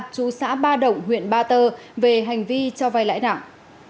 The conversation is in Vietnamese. chú xã ba động huyện ba tơ về hành vi cho vay lãi nặng